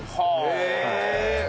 へえ！